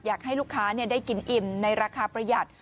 อยากให้ลูกค้าได้กินอิ่มในราคาประหยัด